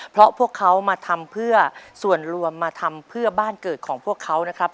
เพราะพวกเขามาทำเพื่อส่วนรวมมาทำเพื่อบ้านเกิดของพวกเขานะครับ